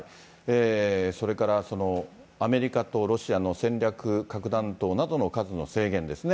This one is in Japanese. それからアメリカとロシアの戦略核弾頭などの核の制限ですね。